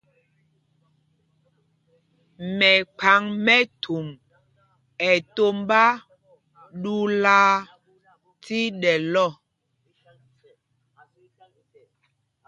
Mɛkphaŋmɛtum ɛ tombá ɗuulaa tí ɗɛ́l ɔ.